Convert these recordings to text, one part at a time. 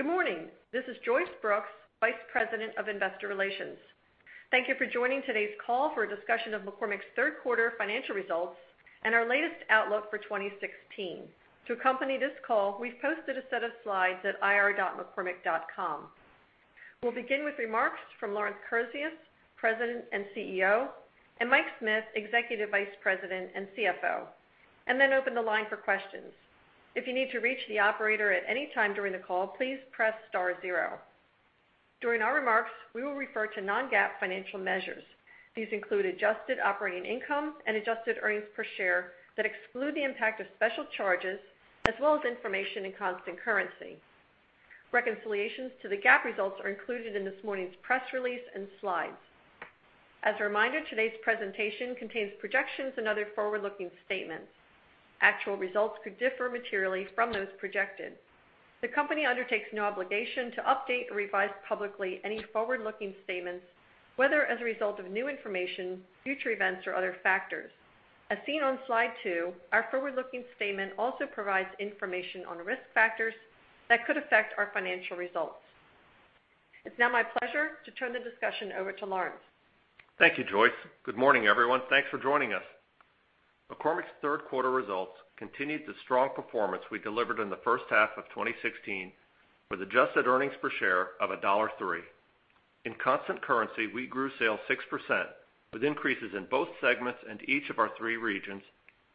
Good morning. This is Joyce Brooks, Vice President of Investor Relations. Thank you for joining today's call for a discussion of McCormick's third quarter financial results and our latest outlook for 2016. To accompany this call, we've posted a set of slides at ir.mccormick.com. We'll begin with remarks from Lawrence Kurzius, President and CEO, and Mike Smith, Executive Vice President and CFO, then open the line for questions. If you need to reach the operator at any time during the call, please press star zero. During our remarks, we will refer to non-GAAP financial measures. These include adjusted operating income and adjusted earnings per share that exclude the impact of special charges as well as information in constant currency. Reconciliations to the GAAP results are included in this morning's press release and slides. As a reminder, today's presentation contains projections and other forward-looking statements. Actual results could differ materially from those projected. The company undertakes no obligation to update or revise publicly any forward-looking statements, whether as a result of new information, future events, or other factors. As seen on slide two, our forward-looking statement also provides information on risk factors that could affect our financial results. It's now my pleasure to turn the discussion over to Lawrence. Thank you, Joyce. Good morning, everyone. Thanks for joining us. McCormick's third quarter results continued the strong performance we delivered in the first half of 2016 with adjusted earnings per share of $1.03. In constant currency, we grew sales 6%, with increases in both segments and each of our three regions,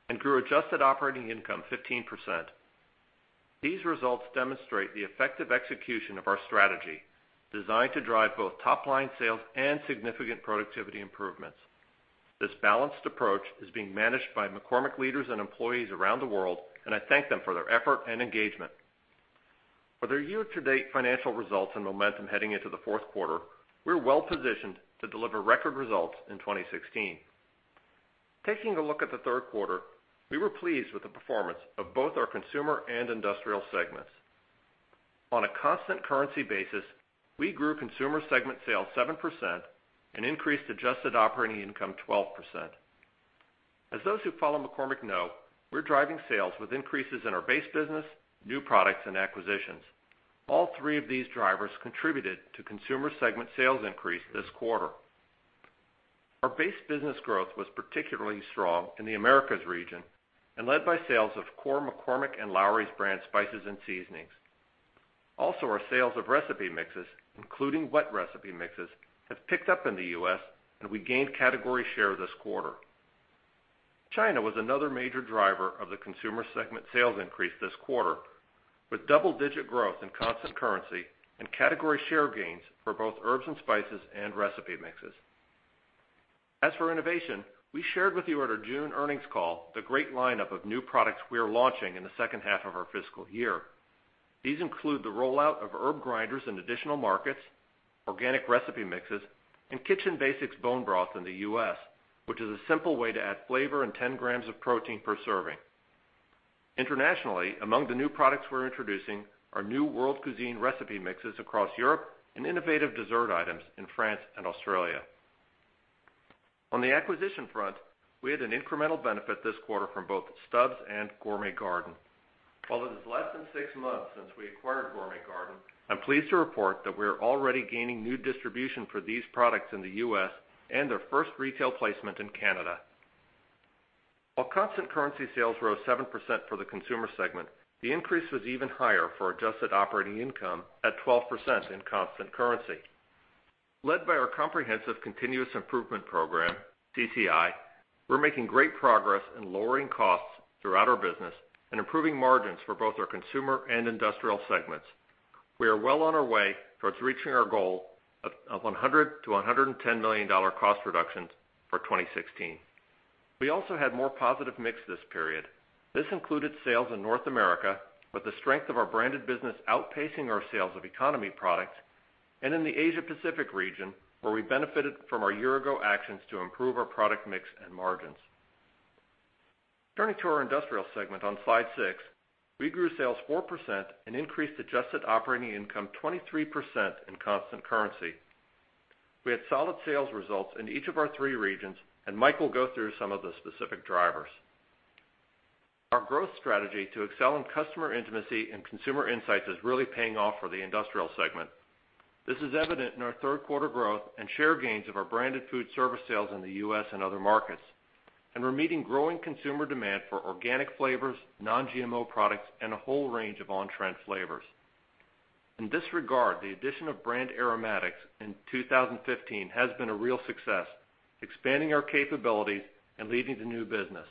and grew adjusted operating income 15%. These results demonstrate the effective execution of our strategy, designed to drive both top-line sales and significant productivity improvements. This balanced approach is being managed by McCormick leaders and employees around the world, and I thank them for their effort and engagement. For their year-to-date financial results and momentum heading into the fourth quarter, we're well-positioned to deliver record results in 2016. Taking a look at the third quarter, we were pleased with the performance of both our consumer and industrial segments. On a constant currency basis, we grew consumer segment sales 7% and increased adjusted operating income 12%. As those who follow McCormick know, we're driving sales with increases in our base business, new products, and acquisitions. All three of these drivers contributed to consumer segment sales increase this quarter. Our base business growth was particularly strong in the Americas region and led by sales of core McCormick and Lawry's brand spices and seasonings. Also, our sales of recipe mixes, including wet recipe mixes, have picked up in the U.S., and we gained category share this quarter. China was another major driver of the consumer segment sales increase this quarter, with double-digit growth in constant currency and category share gains for both herbs and spices and recipe mixes. As for innovation, we shared with you at our June earnings call the great lineup of new products we're launching in the second half of our fiscal year. These include the rollout of herb grinders in additional markets, organic recipe mixes, and Kitchen Basics bone broth in the U.S., which is a simple way to add flavor and 10 grams of protein per serving. Internationally, among the new products we're introducing are new world cuisine recipe mixes across Europe and innovative dessert items in France and Australia. On the acquisition front, we had an incremental benefit this quarter from both Stubb's and Gourmet Garden. While it is less than 6 months since we acquired Gourmet Garden, I'm pleased to report that we're already gaining new distribution for these products in the U.S. and their first retail placement in Canada. While constant currency sales rose 7% for the consumer segment, the increase was even higher for adjusted operating income at 12% in constant currency. Led by our comprehensive continuous improvement program, CCI, we're making great progress in lowering costs throughout our business and improving margins for both our consumer and industrial segments. We are well on our way towards reaching our goal of $100 million-$110 million cost reductions for 2016. We also had more positive mix this period. This included sales in North America, with the strength of our branded business outpacing our sales of economy products, and in the Asia-Pacific region, where we benefited from our year-ago actions to improve our product mix and margins. Turning to our industrial segment on Slide 6, we grew sales 4% and increased adjusted operating income 23% in constant currency. We had solid sales results in each of our three regions, and Mike will go through some of the specific drivers. Our growth strategy to excel in customer intimacy and consumer insights is really paying off for the industrial segment. This is evident in our third quarter growth and share gains of our branded food service sales in the U.S. and other markets. We're meeting growing consumer demand for organic flavors, non-GMO products, and a whole range of on-trend flavors. In this regard, the addition of Brand Aromatics in 2015 has been a real success, expanding our capabilities and leading to new business.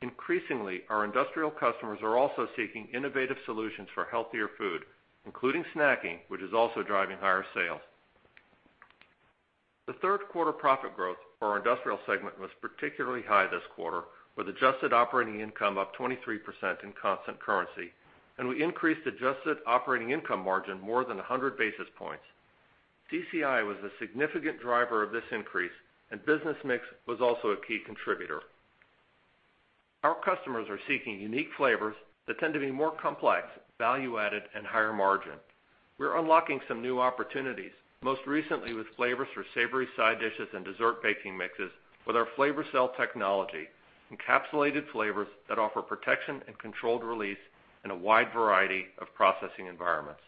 Increasingly, our industrial customers are also seeking innovative solutions for healthier food, including snacking, which is also driving higher sales. The third quarter profit growth for our industrial segment was particularly high this quarter, with adjusted operating income up 23% in constant currency. We increased adjusted operating income margin more than 100 basis points. CCI was a significant driver of this increase, and business mix was also a key contributor. Our customers are seeking unique flavors that tend to be more complex, value-added, and higher margin. We're unlocking some new opportunities, most recently with flavors for savory side dishes and dessert baking mixes with our FlavorCell technology, encapsulated flavors that offer protection and controlled release in a wide variety of processing environments.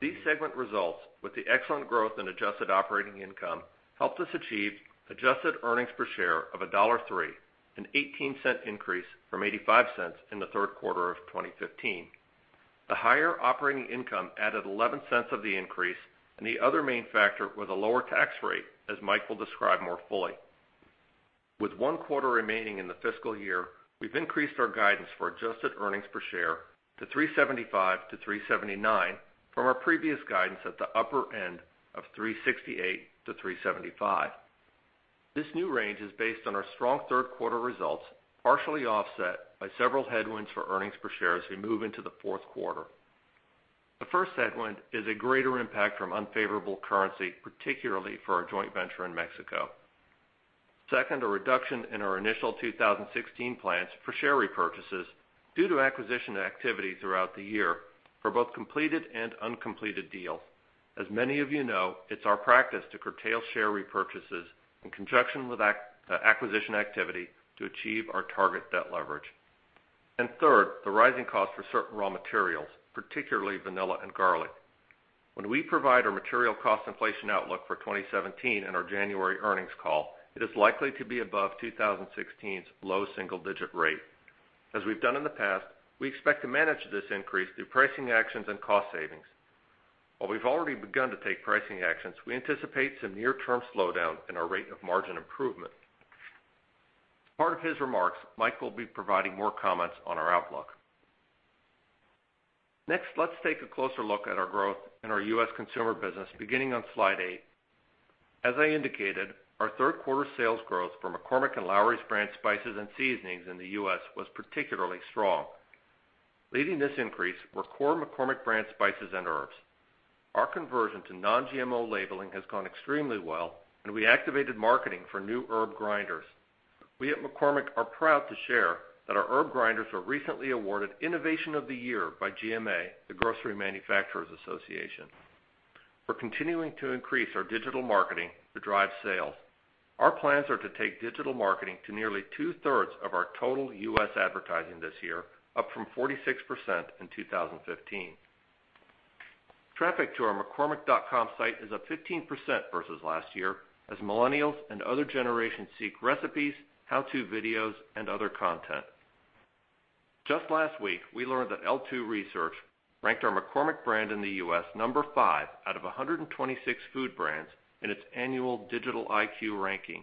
These segment results, with the excellent growth in adjusted operating income, helped us achieve adjusted earnings per share of $1.03, an $0.18 increase from $0.85 in the third quarter of 2015. The higher operating income added $0.11 of the increase. The other main factor was a lower tax rate, as Mike will describe more fully. With one quarter remaining in the fiscal year, we've increased our guidance for adjusted earnings per share to $3.75-$3.79 from our previous guidance at the upper end of $3.68-$3.75. This new range is based on our strong third quarter results, partially offset by several headwinds for earnings per share as we move into the fourth quarter. The first headwind is a greater impact from unfavorable currency, particularly for our joint venture in Mexico. Second, a reduction in our initial 2016 plans for share repurchases due to acquisition activity throughout the year for both completed and uncompleted deals. As many of you know, it's our practice to curtail share repurchases in conjunction with acquisition activity to achieve our target debt leverage. Third, the rising cost for certain raw materials, particularly vanilla and garlic. When we provide our material cost inflation outlook for 2017 in our January earnings call, it is likely to be above 2016's low single-digit rate. As we've done in the past, we expect to manage this increase through pricing actions and cost savings. While we've already begun to take pricing actions, we anticipate some near-term slowdown in our rate of margin improvement. As part of his remarks, Mike will be providing more comments on our outlook. Next, let's take a closer look at our growth in our U.S. consumer business, beginning on slide eight. As I indicated, our third quarter sales growth for McCormick and Lawry's brand spices and seasonings in the U.S. was particularly strong. Leading this increase were core McCormick brand spices and herbs. Our conversion to non-GMO labeling has gone extremely well. We activated marketing for new herb grinders. We at McCormick are proud to share that our herb grinders were recently awarded Innovation of the Year by GMA, the Grocery Manufacturers Association. We're continuing to increase our digital marketing to drive sales. Our plans are to take digital marketing to nearly two-thirds of our total U.S. advertising this year, up from 46% in 2015. Traffic to our mccormick.com site is up 15% versus last year, as millennials and other generations seek recipes, how-to videos, and other content. Just last week, we learned that L2 ranked our McCormick brand in the U.S. number five out of 126 food brands in its annual digital IQ ranking.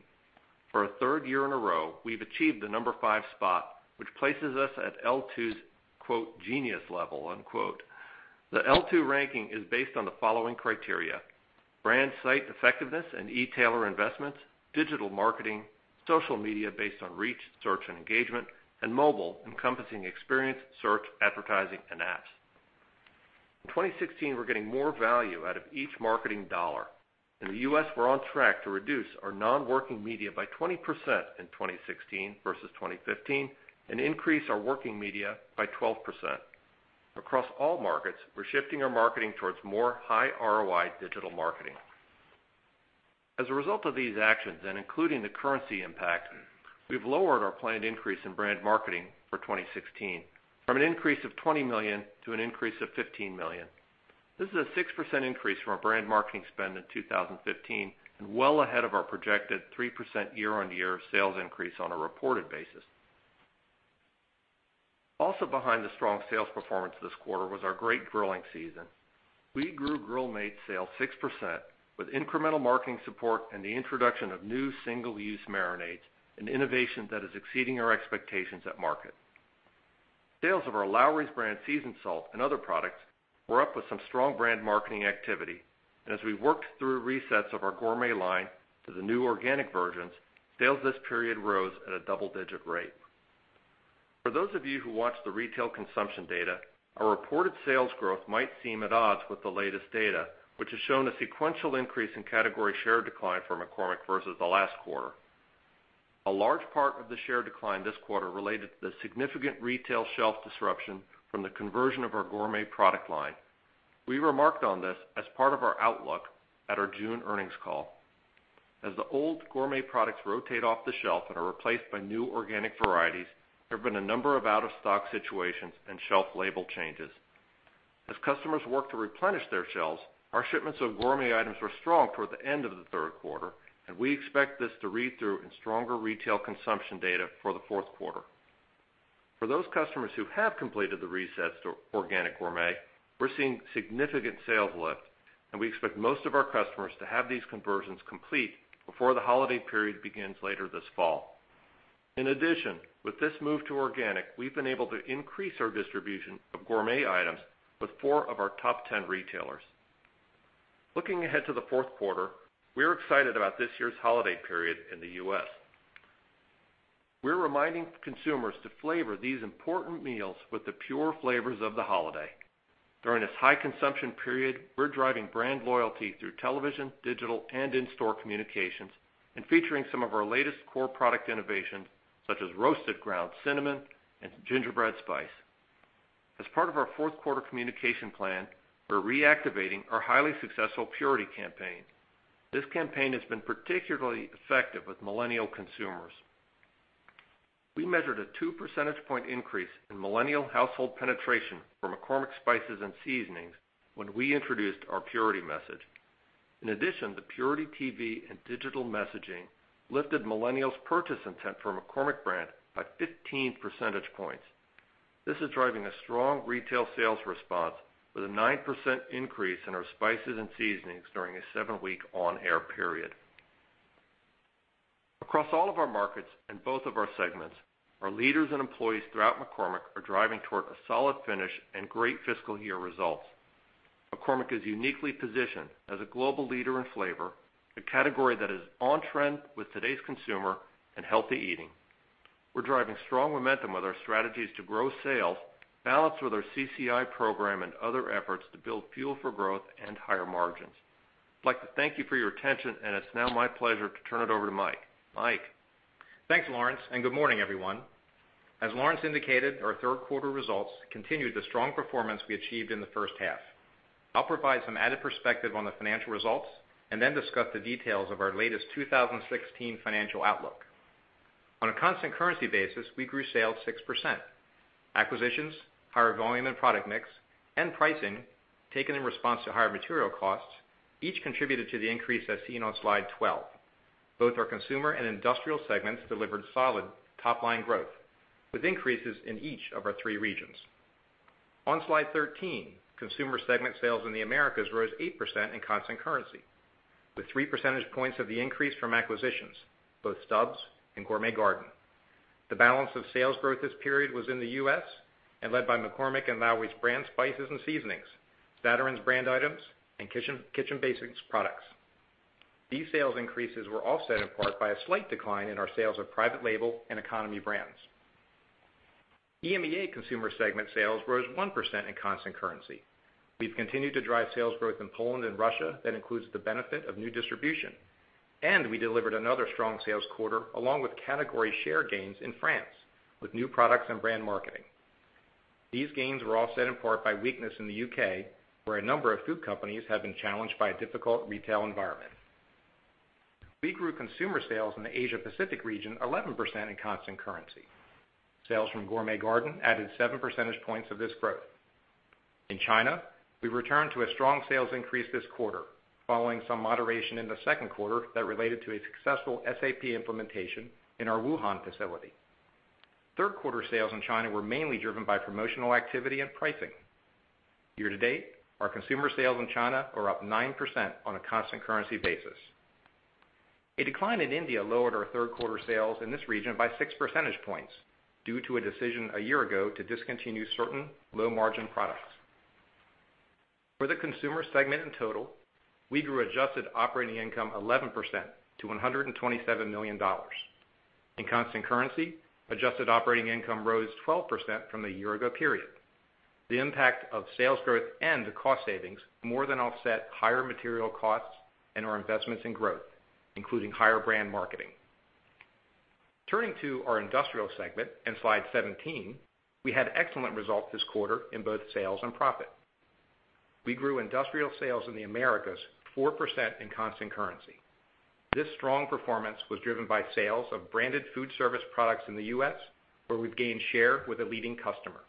For a third year in a row, we've achieved the number five spot, which places us at L2's "genius level". The L2 ranking is based on the following criteria. Brand site effectiveness and e-tailer investments, digital marketing, social media based on reach, search, and engagement, and mobile encompassing experience, search, advertising, and apps. In 2016, we're getting more value out of each marketing dollar. In the U.S., we're on track to reduce our non-working media by 20% in 2016 versus 2015, and increase our working media by 12%. Across all markets, we're shifting our marketing towards more high ROI digital marketing. As a result of these actions, and including the currency impact, we've lowered our planned increase in brand marketing for 2016 from an increase of $20 million to an increase of $15 million. This is a 6% increase from our brand marketing spend in 2015, and well ahead of our projected 3% year-on-year sales increase on a reported basis. Also behind the strong sales performance this quarter was our great Grill Mates sales 6% with incremental marketing support and the introduction of new single-use marinades, an innovation that is exceeding our expectations at market. Sales of our Lawry's brand seasoned salt and other products were up with some strong brand marketing activity, and as we worked through resets of our gourmet line to the new organic versions, sales this period rose at a double-digit rate. For those of you who watch the retail consumption data, our reported sales growth might seem at odds with the latest data, which has shown a sequential increase in category share decline for McCormick versus the last quarter. A large part of the share decline this quarter related to the significant retail shelf disruption from the conversion of our gourmet product line. We remarked on this as part of our outlook at our June earnings call. As the old gourmet products rotate off the shelf and are replaced by new organic varieties, there have been a number of out-of-stock situations and shelf label changes. As customers work to replenish their shelves, our shipments of gourmet items were strong toward the end of the third quarter, and we expect this to read through in stronger retail consumption data for the fourth quarter. For those customers who have completed the resets to organic gourmet, we're seeing significant sales lift, and we expect most of our customers to have these conversions complete before the holiday period begins later this fall. In addition, with this move to organic, we've been able to increase our distribution of gourmet items with 10 of our top 10 retailers. Looking ahead to the fourth quarter, we are excited about this year's holiday period in the U.S. We're reminding consumers to flavor these important meals with the pure flavors of the holiday. During this high consumption period, we're driving brand loyalty through television, digital, and in-store communications, and featuring some of our latest core product innovations, such as roasted ground cinnamon and gingerbread spice. As part of our fourth quarter communication plan, we're reactivating our highly successful purity campaign. This campaign has been particularly effective with millennial consumers. We measured a two percentage point increase in millennial household penetration for McCormick spices and seasonings when we introduced our purity message. In addition, the purity TV and digital messaging lifted millennials' purchase intent for McCormick brand by 15 percentage points. This is driving a strong retail sales response with a 9% increase in our spices and seasonings during a seven-week on-air period. Across all of our markets and both of our segments, our leaders and employees throughout McCormick are driving toward a solid finish and great fiscal year results. McCormick is uniquely positioned as a global leader in flavor, a category that is on-trend with today's consumer and healthy eating. We're driving strong momentum with our strategies to grow sales, balanced with our CCI program and other efforts to build fuel for growth and higher margins. I'd like to thank you for your attention, and it's now my pleasure to turn it over to Mike. Mike? Thanks, Lawrence. Good morning, everyone. As Lawrence indicated, our third quarter results continued the strong performance we achieved in the first half. I'll provide some added perspective on the financial results, then discuss the details of our latest 2016 financial outlook. On a constant currency basis, we grew sales 6%. Acquisitions, higher volume and product mix, and pricing, taken in response to higher material costs, each contributed to the increase as seen on slide 12. Both our consumer and industrial segments delivered solid top-line growth, with increases in each of our three regions. On slide 13, consumer segment sales in the Americas rose 8% in constant currency, with three percentage points of the increase from acquisitions, both Stubb's and Gourmet Garden. The balance of sales growth this period was in the U.S. and led by McCormick and Lawry's brand spices and seasonings, Zatarain's brand items, and Kitchen Basics products. These sales increases were offset in part by a slight decline in our sales of private label and economy brands. EMEA consumer segment sales rose 1% in constant currency. We've continued to drive sales growth in Poland and Russia that includes the benefit of new distribution. We delivered another strong sales quarter, along with category share gains in France with new products and brand marketing. These gains were offset in part by weakness in the U.K., where a number of food companies have been challenged by a difficult retail environment. We grew consumer sales in the Asia Pacific region 11% in constant currency. Sales from Gourmet Garden added seven percentage points of this growth. In China, we returned to a strong sales increase this quarter, following some moderation in the second quarter that related to a successful SAP implementation in our Wuhan facility. Third-quarter sales in China were mainly driven by promotional activity and pricing. Year to date, our consumer sales in China are up 9% on a constant currency basis. A decline in India lowered our third-quarter sales in this region by six percentage points due to a decision a year ago to discontinue certain low-margin products. For the consumer segment in total, we grew adjusted operating income 11% to $127 million. In constant currency, adjusted operating income rose 12% from the year ago period. The impact of sales growth and the cost savings more than offset higher material costs and our investments in growth, including higher brand marketing. Turning to our industrial segment and slide 17, we had excellent results this quarter in both sales and profit. We grew industrial sales in the Americas 4% in constant currency. This strong performance was driven by sales of branded food service products in the U.S., where we've gained share with a leading customer.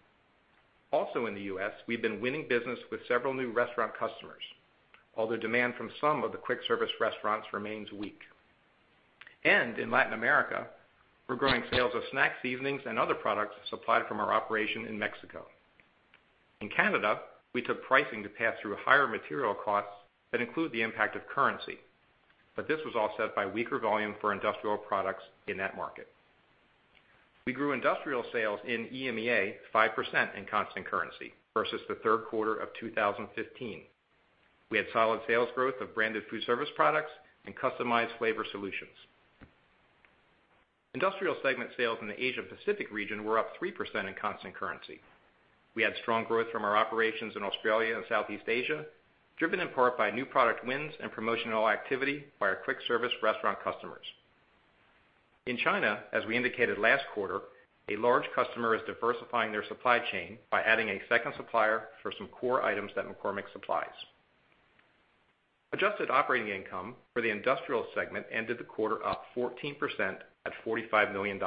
Also in the U.S., we've been winning business with several new restaurant customers, although demand from some of the quick-service restaurants remains weak. In Latin America, we're growing sales of snack seasonings and other products supplied from our operation in Mexico. In Canada, we took pricing to pass through higher material costs that include the impact of currency. This was offset by weaker volume for industrial products in that market. We grew industrial sales in EMEA 5% in constant currency versus the third quarter of 2015. We had solid sales growth of branded food service products and customized flavor solutions. Industrial segment sales in the Asia-Pacific region were up 3% in constant currency. We had strong growth from our operations in Australia and Southeast Asia, driven in part by new product wins and promotional activity by our quick-service restaurant customers. In China, as we indicated last quarter, a large customer is diversifying their supply chain by adding a second supplier for some core items that McCormick supplies. Adjusted operating income for the industrial segment ended the quarter up 14% at $45 million.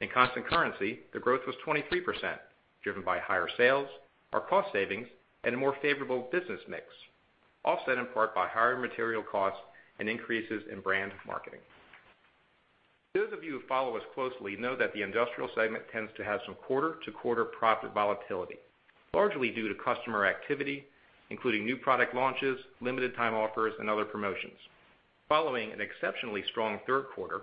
In constant currency, the growth was 23%, driven by higher sales, our cost savings, and a more favorable business mix, offset in part by higher material costs and increases in brand marketing. Those of you who follow us closely know that the industrial segment tends to have some quarter-to-quarter profit volatility, largely due to customer activity, including new product launches, limited time offers, and other promotions. Following an exceptionally strong third quarter,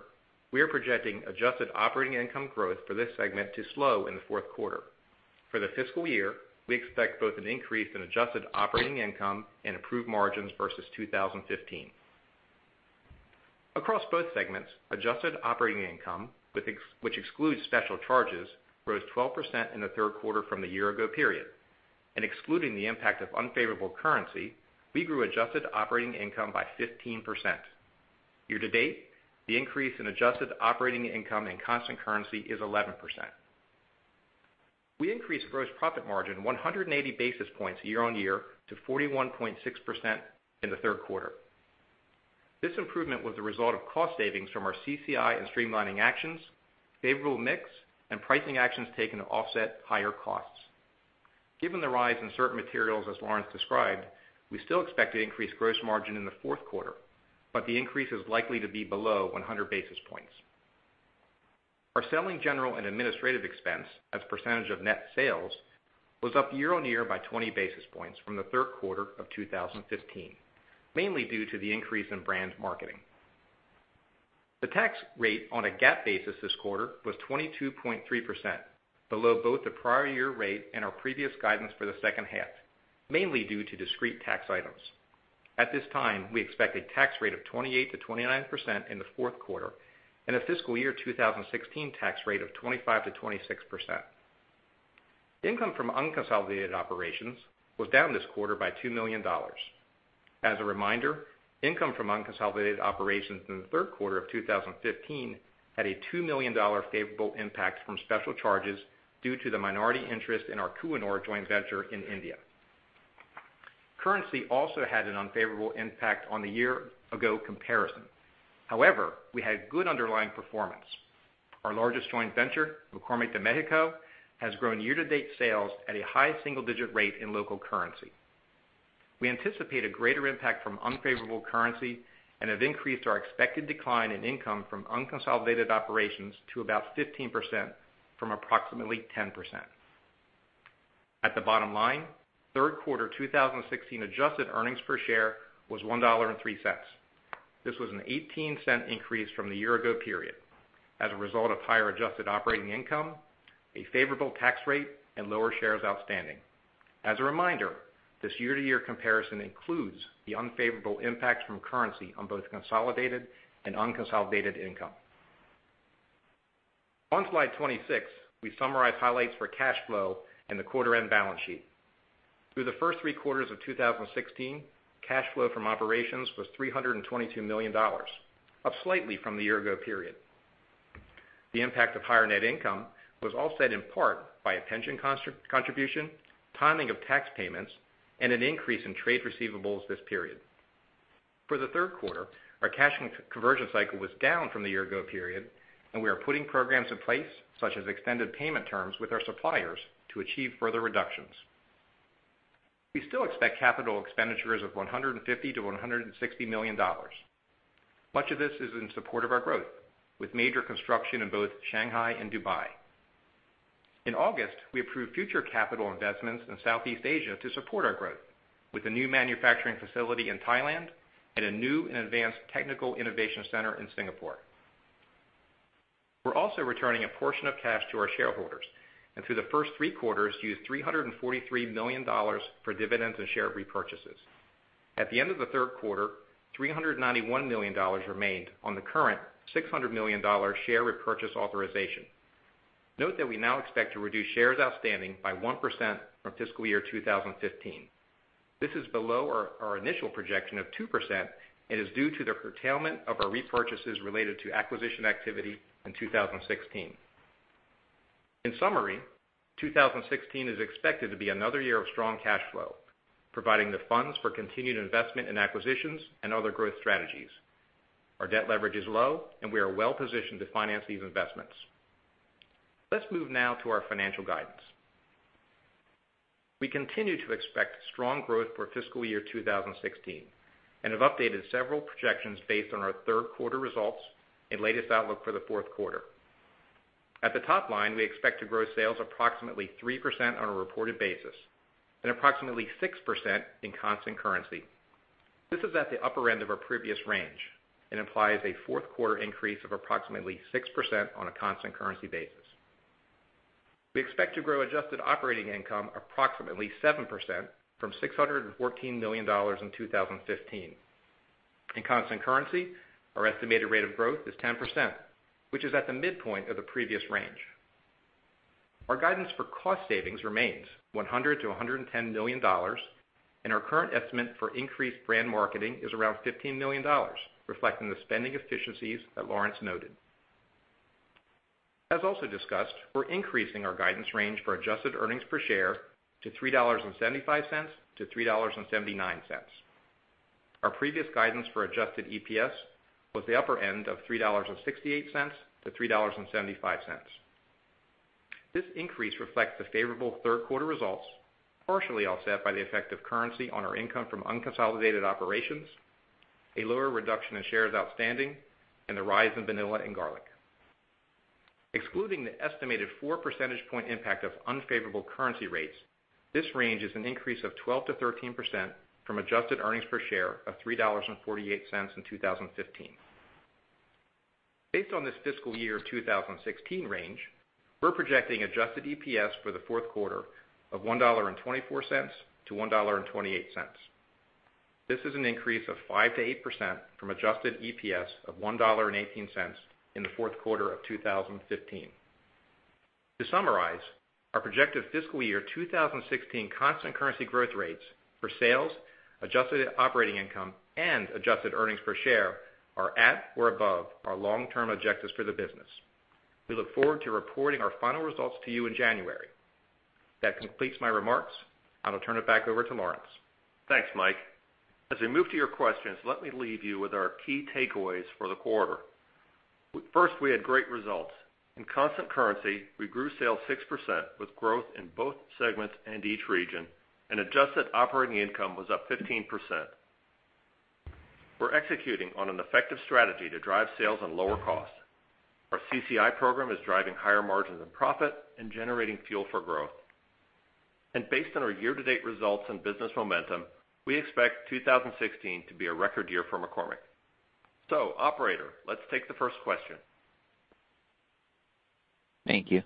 we are projecting adjusted operating income growth for this segment to slow in the fourth quarter. For the fiscal year, we expect both an increase in adjusted operating income and improved margins versus 2015. Across both segments, adjusted operating income, which excludes special charges, rose 12% in the third quarter from the year ago period. Excluding the impact of unfavorable currency, we grew adjusted operating income by 15%. Year to date, the increase in adjusted operating income in constant currency is 11%. We increased gross profit margin 180 basis points year-on-year to 41.6% in the third quarter. This improvement was the result of cost savings from our CCI and streamlining actions, favorable mix, and pricing actions taken to offset higher costs. Given the rise in certain materials, as Lawrence described, we still expect to increase gross margin in the fourth quarter, but the increase is likely to be below 100 basis points. Our selling, general, and administrative expense as a percentage of net sales was up year-on-year by 20 basis points from the third quarter of 2015, mainly due to the increase in brand marketing. The tax rate on a GAAP basis this quarter was 22.3%, below both the prior year rate and our previous guidance for the second half, mainly due to discrete tax items. At this time, we expect a tax rate of 28%-29% in the fourth quarter and a fiscal year 2016 tax rate of 25%-26%. Income from unconsolidated operations was down this quarter by $2 million. As a reminder, income from unconsolidated operations in the third quarter of 2015 had a $2 million favorable impact from special charges due to the minority interest in our Kohinoor joint venture in India. Currency also had an unfavorable impact on the year-ago comparison. However, we had good underlying performance. Our largest joint venture, McCormick de Mexico, has grown year-to-date sales at a high single-digit rate in local currency. We anticipate a greater impact from unfavorable currency and have increased our expected decline in income from unconsolidated operations to about 15% from approximately 10%. At the bottom line, third quarter 2016 adjusted earnings per share was $1.03. This was a $0.18 increase from the year-ago period as a result of higher adjusted operating income, a favorable tax rate, and lower shares outstanding. As a reminder, this year-to-year comparison includes the unfavorable impact from currency on both consolidated and unconsolidated income. On slide 26, we summarize highlights for cash flow and the quarter-end balance sheet. Through the first three quarters of 2016, cash flow from operations was $322 million, up slightly from the year-ago period. The impact of higher net income was offset in part by a pension contribution, timing of tax payments, and an increase in trade receivables this period. For the third quarter, our cash conversion cycle was down from the year-ago period, and we are putting programs in place, such as extended payment terms with our suppliers, to achieve further reductions. We still expect capital expenditures of $150 million-$160 million. Much of this is in support of our growth, with major construction in both Shanghai and Dubai. In August, we approved future capital investments in Southeast Asia to support our growth with a new manufacturing facility in Thailand and a new and advanced technical innovation center in Singapore. We are also returning a portion of cash to our shareholders and through the first three quarters, used $343 million for dividends and share repurchases. At the end of the third quarter, $391 million remained on the current $600 million share repurchase authorization. Note that we now expect to reduce shares outstanding by 1% from fiscal year 2015. This is below our initial projection of 2% and is due to the curtailment of our repurchases related to acquisition activity in 2016. In summary, 2016 is expected to be another year of strong cash flow, providing the funds for continued investment in acquisitions and other growth strategies. Our debt leverage is low, and we are well positioned to finance these investments. Let us move now to our financial guidance. We continue to expect strong growth for fiscal year 2016 and have updated several projections based on our third quarter results and latest outlook for the fourth quarter. At the top line, we expect to grow sales approximately 3% on a reported basis and approximately 6% in constant currency. This is at the upper end of our previous range and implies a fourth quarter increase of approximately 6% on a constant currency basis. We expect to grow adjusted operating income approximately 7% from $614 million in 2015. In constant currency, our estimated rate of growth is 10%, which is at the midpoint of the previous range. Our guidance for cost savings remains $100 million-$110 million, and our current estimate for increased brand marketing is around $15 million, reflecting the spending efficiencies that Lawrence noted. As also discussed, we are increasing our guidance range for adjusted earnings per share to $3.75-$3.79. Our previous guidance for adjusted EPS was the upper end of $3.68-$3.75. This increase reflects the favorable third quarter results, partially offset by the effect of currency on our income from unconsolidated operations, a lower reduction in shares outstanding, and the rise in vanilla and garlic. Excluding the estimated four percentage point impact of unfavorable currency rates, this range is an increase of 12%-13% from adjusted earnings per share of $3.48 in 2015. Based on this fiscal year 2016 range, we are projecting adjusted EPS for the fourth quarter of $1.24-$1.28. This is an increase of 5%-8% from adjusted EPS of $1.18 in the fourth quarter of 2015. To summarize, our projected fiscal year 2016 constant currency growth rates for sales, adjusted operating income, and adjusted earnings per share are at or above our long-term objectives for the business. We look forward to reporting our final results to you in January. That completes my remarks. I will turn it back over to Lawrence. Thanks, Mike. As we move to your questions, let me leave you with our key takeaways for the quarter. First, we had great results. In constant currency, we grew sales 6%, with growth in both segments and each region, and adjusted operating income was up 15%. We're executing on an effective strategy to drive sales and lower costs. Our CCI program is driving higher margins and profit and generating fuel for growth. Based on our year-to-date results and business momentum, we expect 2016 to be a record year for McCormick. Operator, let's take the first question. Thank you.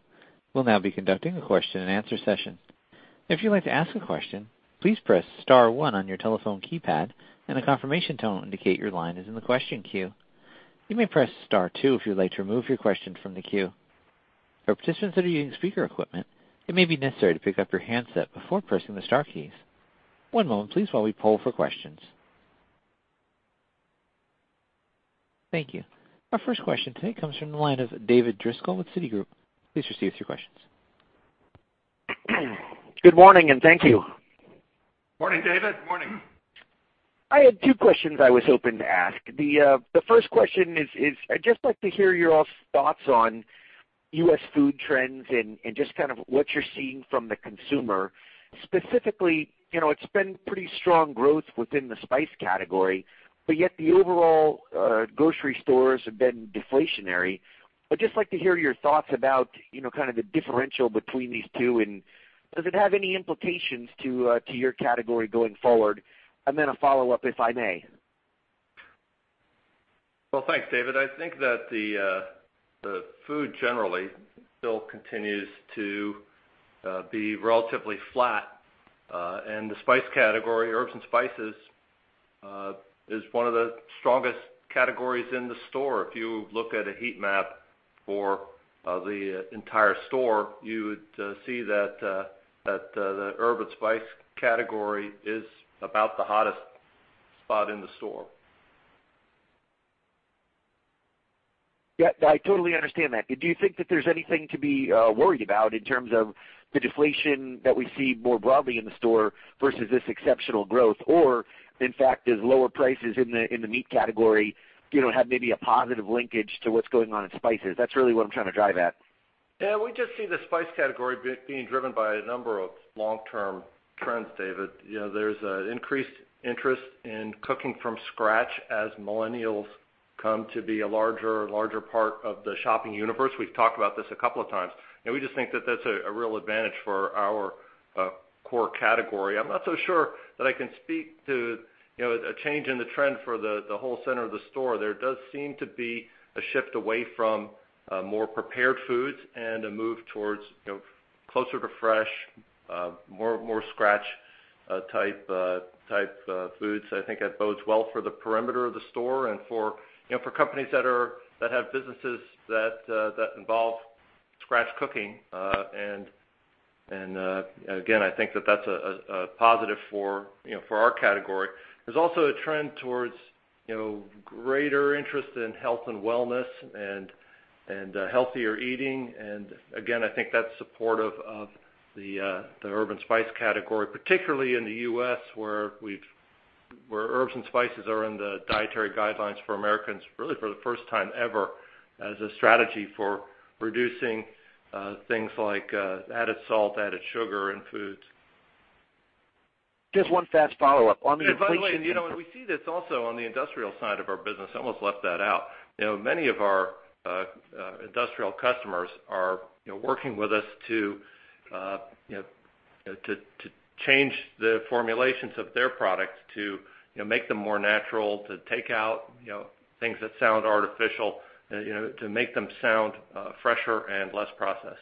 We'll now be conducting a question and answer session. If you'd like to ask a question, please press *1 on your telephone keypad, and a confirmation tone will indicate your line is in the question queue. You may press *2 if you'd like to remove your question from the queue. For participants that are using speaker equipment, it may be necessary to pick up your handset before pressing the * keys. One moment, please, while we poll for questions. Thank you. Our first question today comes from the line of David Driscoll with Citigroup. Please proceed with your questions. Good morning, and thank you. Morning, David. Morning. I had two questions I was hoping to ask. The first question is, I'd just like to hear your all's thoughts on U.S. food trends and just kind of what you're seeing from the consumer. Specifically, it's been pretty strong growth within the spice category, yet the overall grocery stores have been deflationary. I'd just like to hear your thoughts about the differential between these two, and does it have any implications to your category going forward? Then a follow-up, if I may. Well, thanks, David. I think that the food generally still continues to be relatively flat. The spice category, herbs and spices, is one of the strongest categories in the store. If you look at a heat map for the entire store, you would see that the herb and spice category is about the hottest spot in the store. Yeah, I totally understand that. Do you think that there's anything to be worried about in terms of the deflation that we see more broadly in the store versus this exceptional growth? In fact, does lower prices in the meat category have maybe a positive linkage to what's going on in spices? That's really what I'm trying to drive at. Yeah, we just see the spice category being driven by a number of long-term trends, David. There's an increased interest in cooking from scratch as millennials come to be a larger part of the shopping universe. We've talked about this a couple of times, and we just think that that's a real advantage for our core category. I'm not so sure that I can speak to a change in the trend for the whole center of the store. There does seem to be a shift away from more prepared foods and a move towards closer to fresh, more scratch type foods. I think that bodes well for the perimeter of the store and for companies that have businesses that involve scratch cooking. Again, I think that that's a positive for our category. There's also a trend towards greater interest in health and wellness and healthier eating. Again, I think that's supportive of the herb and spice category, particularly in the U.S., where herbs and spices are in the dietary guidelines for Americans, really for the first time ever, as a strategy for reducing things like added salt, added sugar in foods. Just one fast follow-up on the inflation. By the way, we see this also on the industrial side of our business. I almost left that out. Many of our industrial customers are working with us to change the formulations of their products to make them more natural, to take out things that sound artificial, to make them sound fresher and less processed.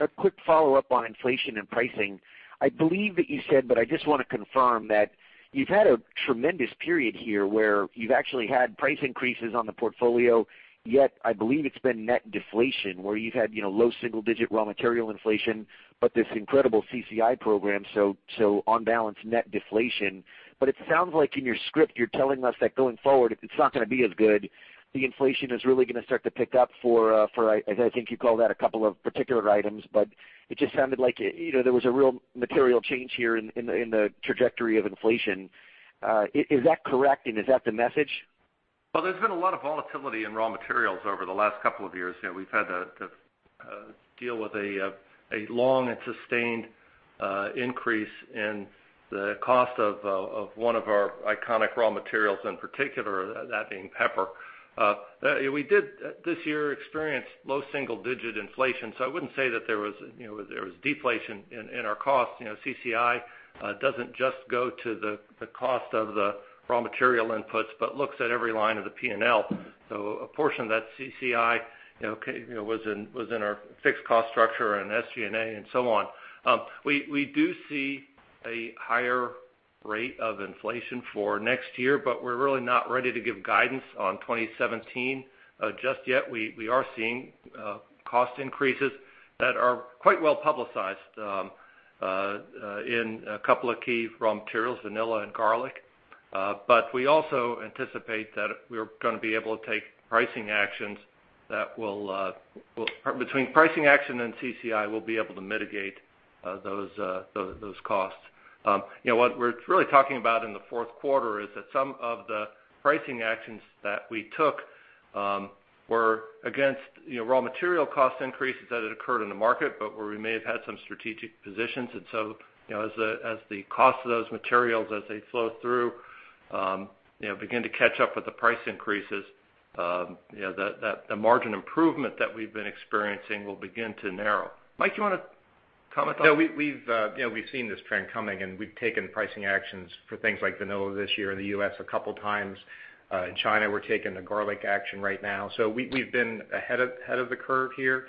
A quick follow-up on inflation and pricing. I believe that you said, but I just want to confirm, that you've had a tremendous period here where you've actually had price increases on the portfolio, yet I believe it's been net deflation, where you've had low single-digit raw material inflation, but this incredible CCI program, so on balance, net deflation. It sounds like in your script, you're telling us that going forward, it's not going to be as good. The inflation is really going to start to pick up for, I think you call that a couple of particular items, but it just sounded like there was a real material change here in the trajectory of inflation. Is that correct, and is that the message? Well, there's been a lot of volatility in raw materials over the last couple of years. We've had to deal with a long and sustained increase in the cost of one of our iconic raw materials in particular, that being pepper. We did, this year, experience low single-digit inflation, so I wouldn't say that there was deflation in our costs. CCI doesn't just go to the cost of the raw material inputs, but looks at every line of the P&L. A portion of that CCI was in our fixed cost structure and SG&A and so on. We do see a higher rate of inflation for next year, but we're really not ready to give guidance on 2017 just yet. We are seeing cost increases that are quite well-publicized in a couple of key raw materials, vanilla and garlic. We also anticipate that we're going to be able to take pricing actions that, between pricing action and CCI, we'll be able to mitigate those costs. What we're really talking about in the fourth quarter is that some of the pricing actions that we took were against raw material cost increases that had occurred in the market, but where we may have had some strategic positions. As the cost of those materials, as they flow through, begin to catch up with the price increases, the margin improvement that we've been experiencing will begin to narrow. Mike, you want to comment on that? Yeah. We've seen this trend coming, and we've taken pricing actions for things like vanilla this year in the U.S. a couple of times. In China, we're taking the garlic action right now. We've been ahead of the curve here,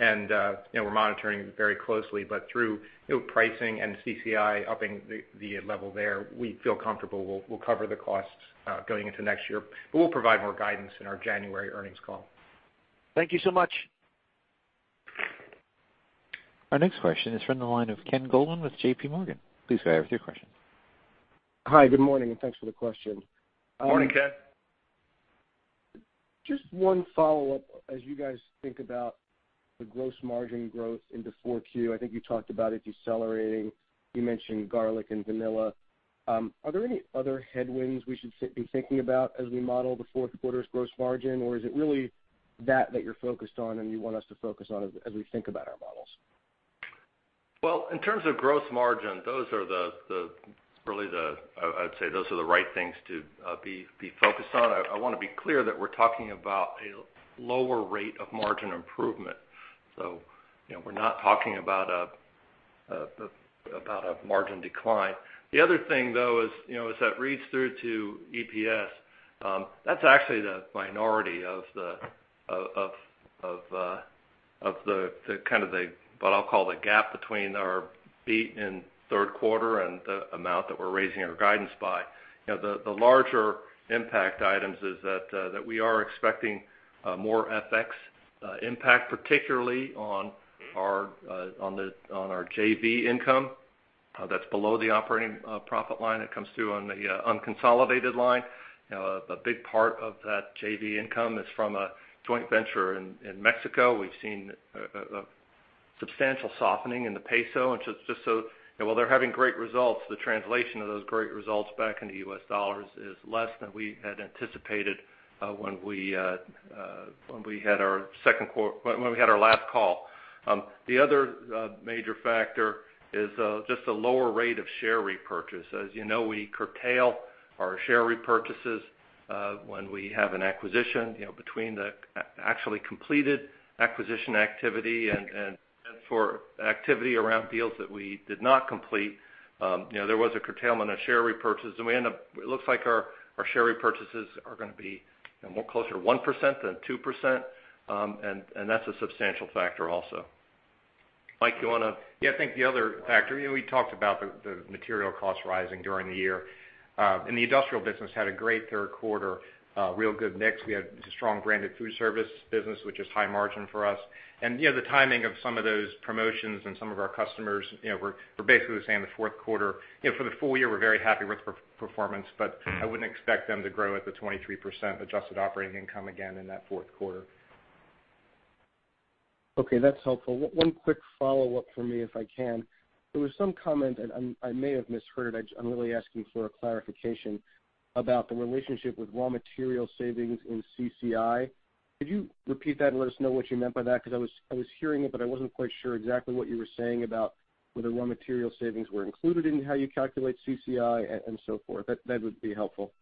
and we're monitoring very closely. Through pricing and CCI upping the level there, we feel comfortable we'll cover the costs, going into next year. We'll provide more guidance in our January earnings call. Thank you so much. Our next question is from the line of Ken Goldman with JPMorgan. Please go ahead with your question. Hi, good morning, and thanks for the question. Morning, Ken. Just one follow-up. As you guys think about the gross margin growth into four Q, I think you talked about it decelerating. You mentioned garlic and vanilla. Are there any other headwinds we should be thinking about as we model the fourth quarter's gross margin, or is it really that you're focused on and you want us to focus on as we think about our models? Well, in terms of gross margin, those are really the, I would say those are the right things to be focused on. I want to be clear that we're talking about a lower rate of margin improvement. We're not talking about a margin decline. The other thing, though, is that reads through to EPS. That's actually the minority of the kind of the, what I'll call the gap between our beat in third quarter and the amount that we're raising our guidance by. The larger impact items is that we are expecting more FX impact, particularly on our JV income that's below the operating profit line that comes through on the unconsolidated line. A big part of that JV income is from a joint venture in Mexico. We've seen a substantial softening in the peso. Just so, while they're having great results, the translation of those great results back into U.S. dollars is less than we had anticipated when we had our last call. The other major factor is just a lower rate of share repurchase. As you know, we curtail our share repurchases when we have an acquisition, between the actually completed acquisition activity and for activity around deals that we did not complete. There was a curtailment of share repurchases, and we end up, it looks like our share repurchases are going to be more closer to 1% than 2%, and that's a substantial factor also. Mike, you want to- Yeah, I think the other factor, we talked about the material costs rising during the year. The industrial business had a great third quarter, real good mix. We had a strong branded food service business, which is high margin for us. The timing of some of those promotions and some of our customers, we're basically saying the fourth quarter, for the full year, we're very happy with the performance, but I wouldn't expect them to grow at the 23% adjusted operating income again in that fourth quarter. Okay, that's helpful. One quick follow-up from me, if I can. There was some comment, and I may have misheard. I'm really asking for a clarification about the relationship with raw material savings in CCI. Could you repeat that and let us know what you meant by that? I was hearing it, but I wasn't quite sure exactly what you were saying about whether raw material savings were included in how you calculate CCI and so forth. That would be helpful.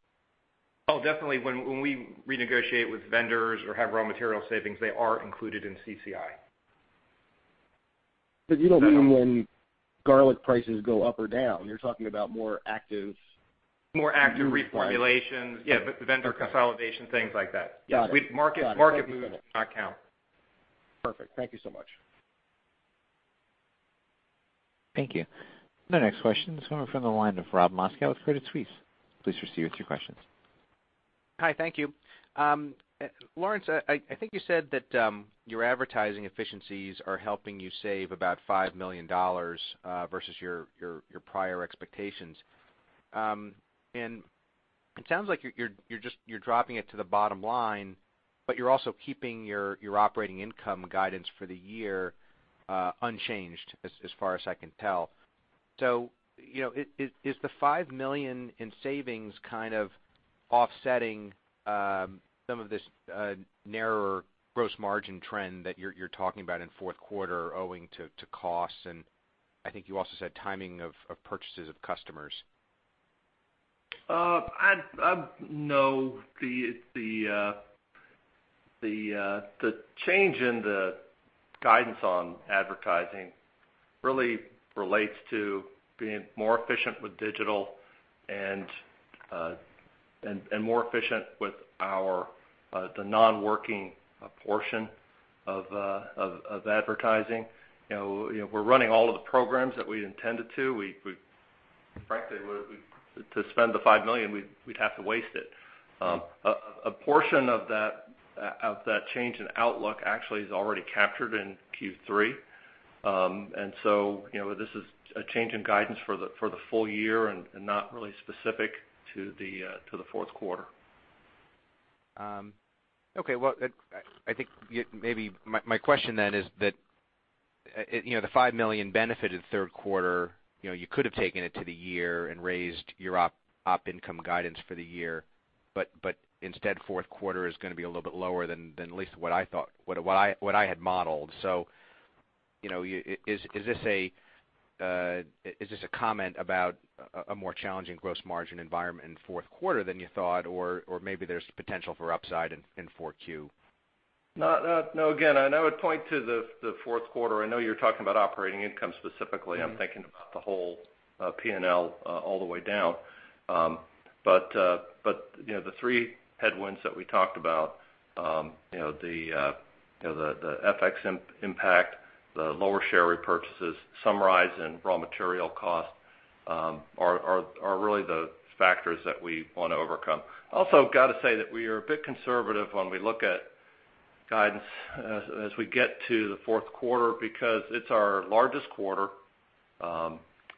Definitely. When we renegotiate with vendors or have raw material savings, they are included in CCI. You don't mean when garlic prices go up or down, you're talking about more active. More active reformulations. Yeah. Okay. Vendor consolidation, things like that. Got it. Market moves do not count. Perfect. Thank you so much. Thank you. The next question is coming from the line of Rob Moskow with Credit Suisse. Please proceed with your questions. Hi. Thank you. Lawrence, I think you said that your advertising efficiencies are helping you save about $5 million versus your prior expectations. It sounds like you're dropping it to the bottom line, you're also keeping your operating income guidance for the year unchanged, as far as I can tell. Is the $5 million in savings kind of offsetting some of this narrower gross margin trend that you're talking about in fourth quarter owing to costs? I think you also said timing of purchases of customers. No. The change in the guidance on advertising really relates to being more efficient with digital and more efficient with the non-working portion of advertising. We're running all of the programs that we'd intended to. Frankly, to spend the $5 million, we'd have to waste it. A portion of that change in outlook actually is already captured in Q3. This is a change in guidance for the full year and not really specific to the fourth quarter. Okay. Well, I think maybe my question then is that, the $5 million benefit in the third quarter, you could have taken it to the year and raised your op income guidance for the year, but instead, fourth quarter is going to be a little bit lower than at least what I had modeled. Is this a comment about a more challenging gross margin environment in the fourth quarter than you thought, or maybe there's potential for upside in 4Q? No. Again, I would point to the fourth quarter. I know you're talking about operating income specifically. I'm thinking about the whole P&L all the way down. The three headwinds that we talked about, the FX impact, the lower share repurchases, some rise in raw material costs, are really the factors that we want to overcome. Got to say that we are a bit conservative when we look at guidance as we get to the fourth quarter because it's our largest quarter.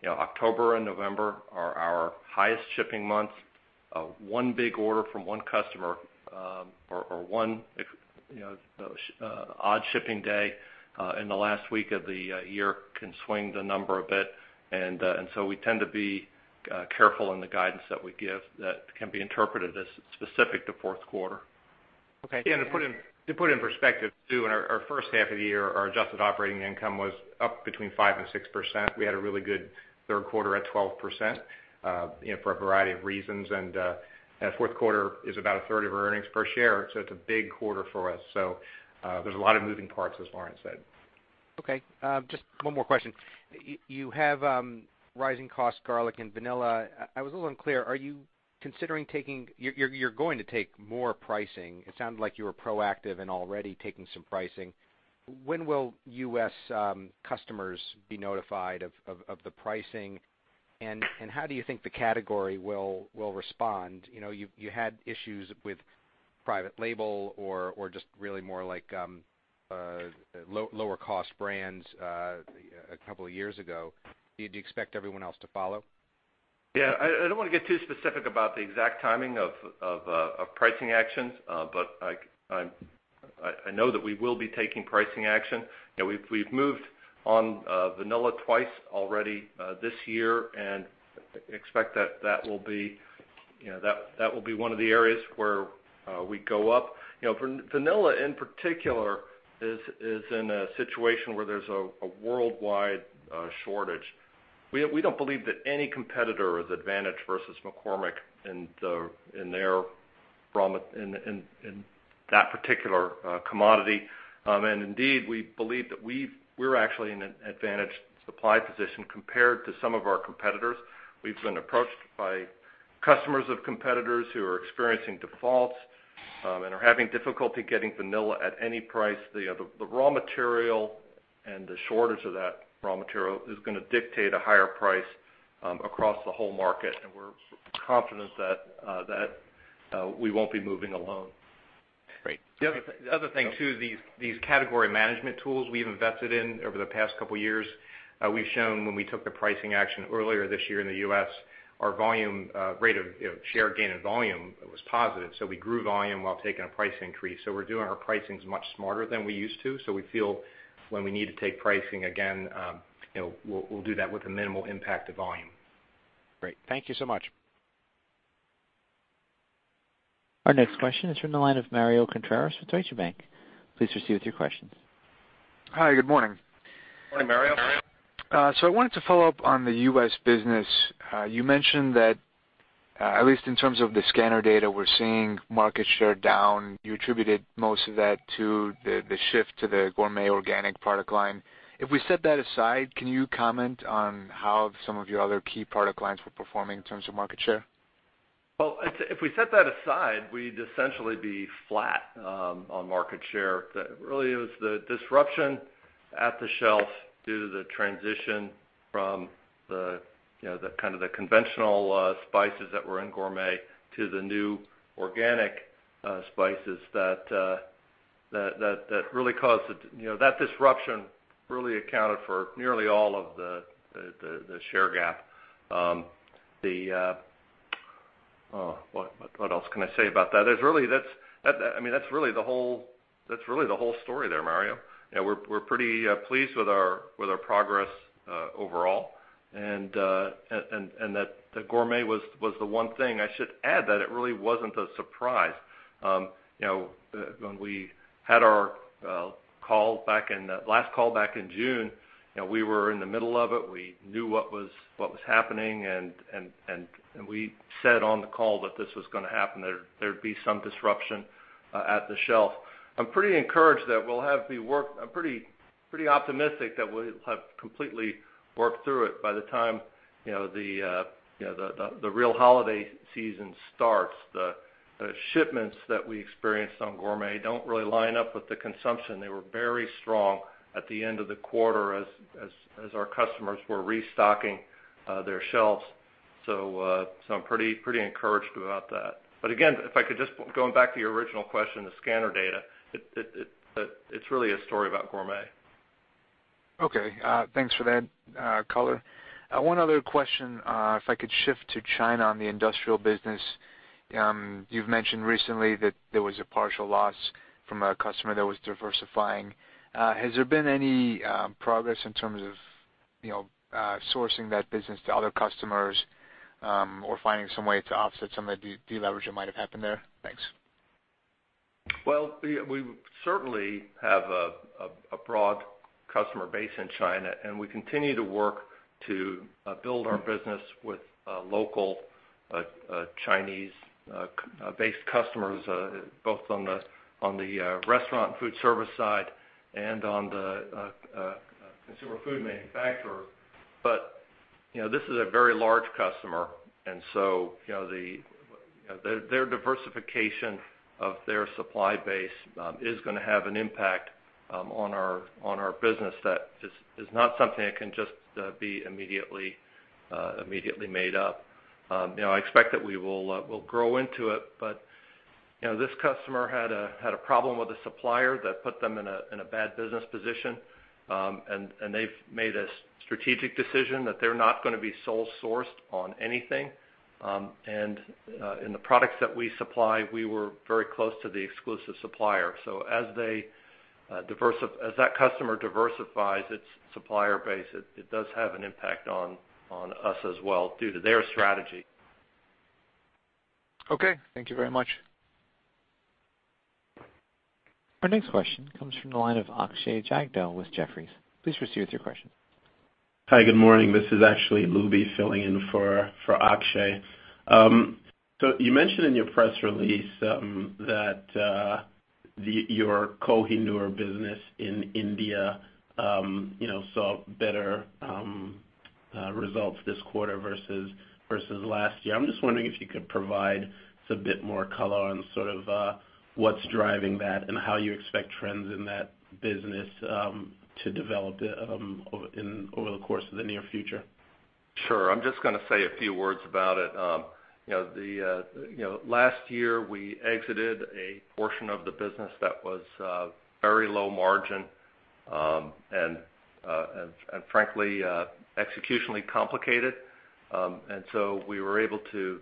October and November are our highest shipping months. One big order from one customer or one odd shipping day in the last week of the year can swing the number a bit. We tend to be careful in the guidance that we give that can be interpreted as specific to fourth quarter. Okay. To put it in perspective, too, in our first half of the year, our adjusted operating income was up between 5% and 6%. We had a really good third quarter at 12% for a variety of reasons. Fourth quarter is about a third of our earnings per share, so it's a big quarter for us. There's a lot of moving parts, as Lawrence said. Okay. Just one more question. You have rising cost garlic and vanilla. I was a little unclear. You're going to take more pricing. It sounded like you were proactive and already taking some pricing. When will U.S. customers be notified of the pricing, and how do you think the category will respond? You had issues with private label or just really more like lower cost brands a couple of years ago. Do you expect everyone else to follow? I don't want to get too specific about the exact timing of pricing actions. I know that we will be taking pricing action. We've moved on vanilla twice already this year. Expect that will be one of the areas where we go up. Vanilla, in particular, is in a situation where there's a worldwide shortage. We don't believe that any competitor is advantaged versus McCormick in that particular commodity. Indeed, we believe that we're actually in an advantaged supply position compared to some of our competitors. We've been approached by customers of competitors who are experiencing defaults and are having difficulty getting vanilla at any price. The raw material and the shortage of that raw material is going to dictate a higher price across the whole market. We're confident that we won't be moving alone. Great. The other thing, too, these category management tools we've invested in over the past couple of years, we've shown when we took the pricing action earlier this year in the U.S., our rate of share gain and volume was positive. We grew volume while taking a price increase. We're doing our pricings much smarter than we used to, so we feel when we need to take pricing again, we'll do that with a minimal impact to volume. Great. Thank you so much. Our next question is from the line of Mario Contreras with Deutsche Bank. Please proceed with your questions. Hi, good morning. Morning, Mario. I wanted to follow up on the U.S. business. You mentioned that, at least in terms of the scanner data, we're seeing market share down. You attributed most of that to the shift to the gourmet organic product line. If we set that aside, can you comment on how some of your other key product lines were performing in terms of market share? If we set that aside, we'd essentially be flat on market share. Really, it was the disruption at the shelf due to the transition from the conventional spices that were in gourmet to the new organic spices that really caused it. That disruption really accounted for nearly all of the share gap. What else can I say about that? That's really the whole story there, Mario. We're pretty pleased with our progress overall, and that gourmet was the one thing. I should add that it really wasn't a surprise. When we had our last call back in June, we were in the middle of it. We knew what was happening, and we said on the call that this was going to happen, there'd be some disruption at the shelf. I'm pretty optimistic that we'll have completely worked through it by the time the real holiday season starts. The shipments that we experienced on gourmet don't really line up with the consumption. They were very strong at the end of the quarter as our customers were restocking their shelves. I'm pretty encouraged about that. Again, if I could going back to your original question, the scanner data, it's really a story about gourmet. Okay, thanks for that color. One other question. If I could shift to China on the industrial business. You've mentioned recently that there was a partial loss from a customer that was diversifying. Has there been any progress in terms of sourcing that business to other customers, or finding some way to offset some of the deleverage that might have happened there? Thanks. Well, we certainly have a broad customer base in China, we continue to work to build our business with local Chinese-based customers, both on the restaurant food service side and on the consumer food manufacturer. This is a very large customer, their diversification of their supply base is going to have an impact on our business. That is not something that can just be immediately made up. I expect that we'll grow into it. This customer had a problem with a supplier that put them in a bad business position. They've made a strategic decision that they're not going to be sole sourced on anything. In the products that we supply, we were very close to the exclusive supplier. As that customer diversifies its supplier base, it does have an impact on us as well due to their strategy. Okay. Thank you very much. Our next question comes from the line of Akshay Jagdale with Jefferies. Please proceed with your question. Hi, good morning. This is Robby filling in for Akshay. You mentioned in your press release that your Kohinoor business in India saw better results this quarter versus last year. I'm just wondering if you could provide just a bit more color on what's driving that and how you expect trends in that business to develop over the course of the near future. Sure. I'm just going to say a few words about it. Last year, we exited a portion of the business that was very low margin, and frankly, executionally complicated. We were able to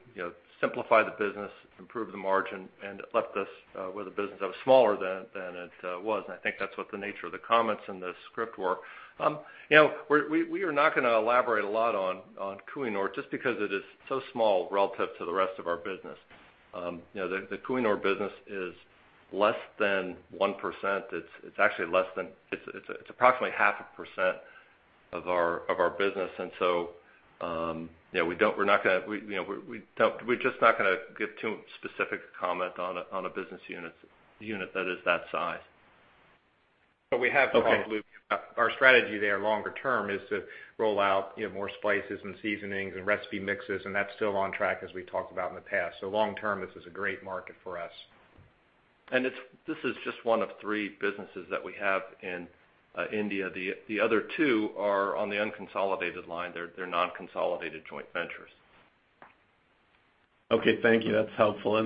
simplify the business, improve the margin, and it left us with a business that was smaller than it was, and I think that's what the nature of the comments in the script were. We are not going to elaborate a lot on Kohinoor just because it is so small relative to the rest of our business. The Kohinoor business is less than 1%. It's approximately half a percent of our business. We're just not going to give too specific a comment on a business unit that is that size. Okay. We have Our strategy there longer term is to roll out more spices and seasonings and recipe mixes, and that's still on track as we talked about in the past. Long term, this is a great market for us. This is just one of three businesses that we have in India. The other two are on the unconsolidated line. They're non-consolidated joint ventures. Okay. Thank you. That's helpful.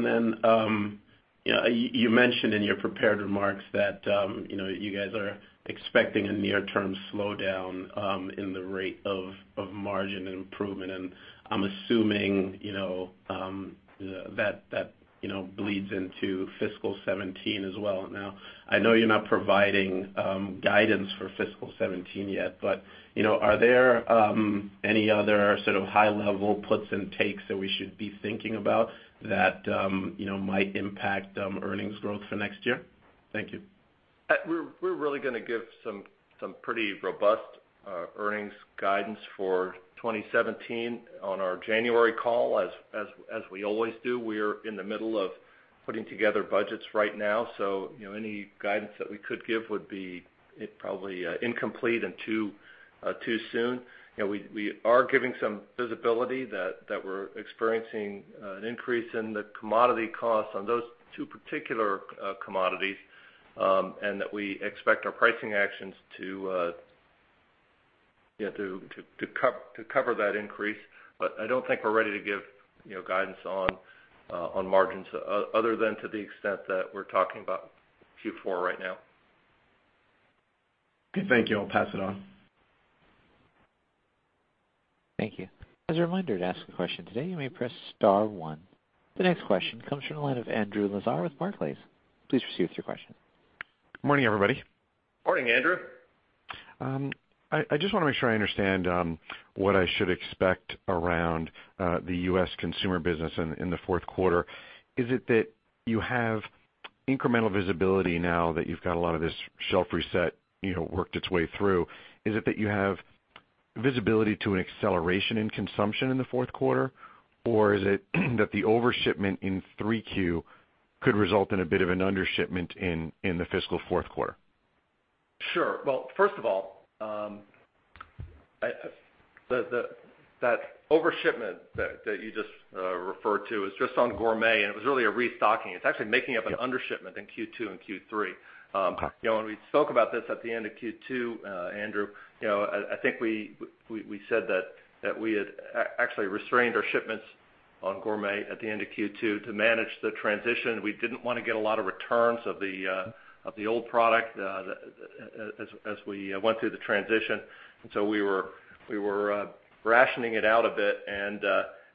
You mentioned in your prepared remarks that you guys are expecting a near-term slowdown in the rate of margin improvement, and I'm assuming that bleeds into fiscal 2017 as well now. I know you're not providing guidance for fiscal 2017 yet, but are there any other sort of high level puts and takes that we should be thinking about that might impact earnings growth for next year? Thank you. We're really going to give some pretty robust earnings guidance for 2017 on our January call, as we always do. We're in the middle of putting together budgets right now. Any guidance that we could give would be probably incomplete and too soon. We are giving some visibility that we're experiencing an increase in the commodity costs on those two particular commodities, and that we expect our pricing actions to cover that increase. I don't think we're ready to give guidance on margins other than to the extent that we're talking about Q4 right now. Okay, thank you. I'll pass it on. Thank you. As a reminder, to ask a question today, you may press star one. The next question comes from the line of Andrew Lazar with Barclays. Please proceed with your question. Good morning, everybody. Morning, Andrew. I just want to make sure I understand what I should expect around the U.S. consumer business in the fourth quarter. Is it that you have incremental visibility now that you've got a lot of this shelf reset worked its way through? Is it that you have visibility to an acceleration in consumption in the fourth quarter, or is it that the overshipment in 3Q could result in a bit of an undershipment in the fiscal fourth quarter? Sure. Well, first of all, that overshipment that you just referred to is just on gourmet, and it was really a restocking. It's actually making up an undershipment in Q2 and Q3. When we spoke about this at the end of Q2, Andrew, I think we said that we had actually restrained our shipments on gourmet at the end of Q2 to manage the transition. We didn't want to get a lot of returns of the old product as we went through the transition. So we were rationing it out a bit.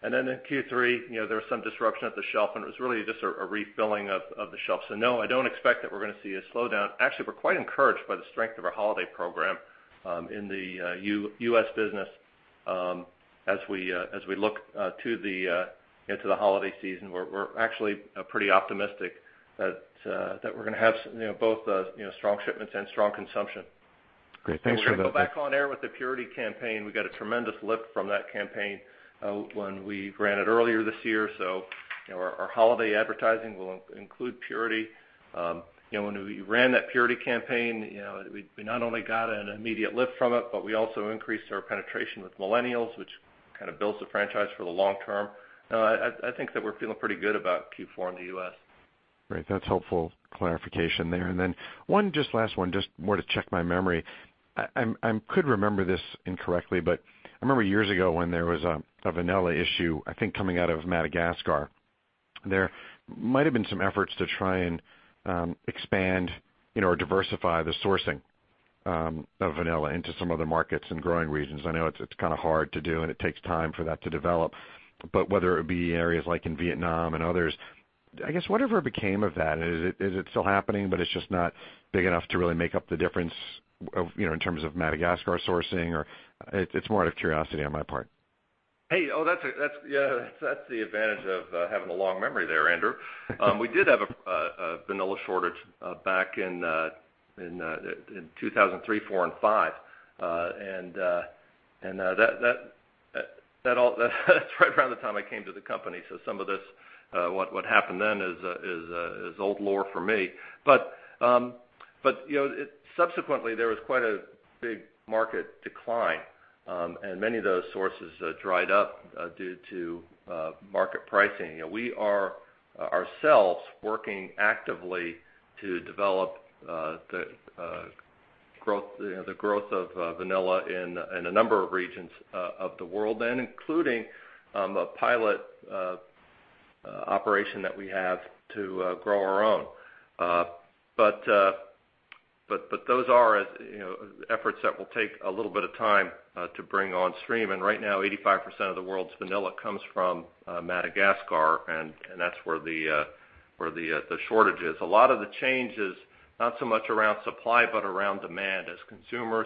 Then in Q3, there was some disruption at the shelf, and it was really just a refilling of the shelf. No, I don't expect that we're going to see a slowdown. Actually, we're quite encouraged by the strength of our holiday program in the U.S. business. As we look into the holiday season, we're actually pretty optimistic that we're going to have both strong shipments and strong consumption. Great. Thanks for that. We're going to go back on air with the Purity campaign. We got a tremendous lift from that campaign when we ran it earlier this year. Our holiday advertising will include Purity. We ran that Purity campaign, we not only got an immediate lift from it, but we also increased our penetration with millennials, which kind of builds the franchise for the long term. I think that we're feeling pretty good about Q4 in the U.S. Great. That's helpful clarification there. One just last one, just more to check my memory. I could remember this incorrectly, but I remember years ago when there was a vanilla issue, I think, coming out of Madagascar. There might've been some efforts to try and expand or diversify the sourcing of vanilla into some other markets and growing regions. I know it's kind of hard to do, and it takes time for that to develop, whether it be areas like in Vietnam and others, I guess whatever became of that, is it still happening, but it's just not big enough to really make up the difference in terms of Madagascar sourcing, or it's more out of curiosity on my part. Hey, that's the advantage of having a long memory there, Andrew. We did have a vanilla shortage back in 2003, 2004, and 2005. That's right around the time I came to the company, some of this what happened then is old lore for me. Subsequently, there was quite a big market decline, and many of those sources dried up due to market pricing. We are ourselves working actively to develop the growth of vanilla in a number of regions of the world, including a pilot operation that we have to grow our own. Those are efforts that will take a little bit of time to bring on stream. Right now, 85% of the world's vanilla comes from Madagascar, and that's where the shortage is. A lot of the change is not so much around supply, but around demand. As consumers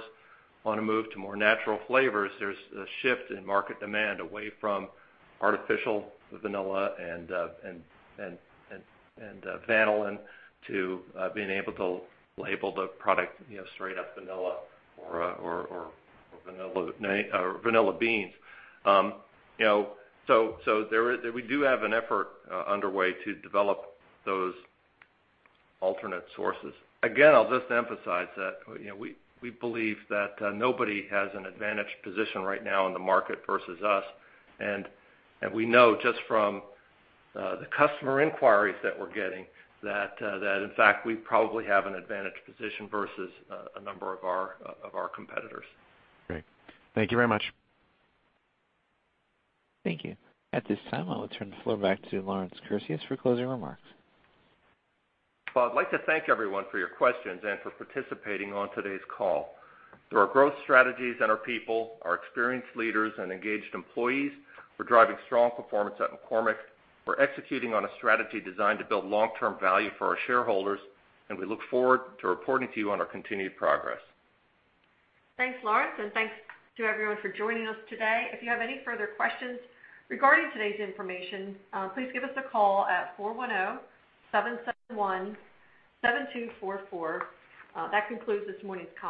want to move to more natural flavors, there's a shift in market demand away from artificial vanilla and vanillin to being able to label the product straight up vanilla or vanilla beans. We do have an effort underway to develop those alternate sources. Again, I'll just emphasize that we believe that nobody has an advantaged position right now in the market versus us. We know just from the customer inquiries that we're getting that, in fact, we probably have an advantaged position versus a number of our competitors. Great. Thank you very much. Thank you. At this time, I will turn the floor back to Lawrence Kurzius for closing remarks. Well, I'd like to thank everyone for your questions and for participating on today's call. Through our growth strategies and our people, our experienced leaders, and engaged employees, we're driving strong performance at McCormick. We're executing on a strategy designed to build long-term value for our shareholders, and we look forward to reporting to you on our continued progress. Thanks, Lawrence, and thanks to everyone for joining us today. If you have any further questions regarding today's information, please give us a call at 410-771-7244. That concludes this morning's call.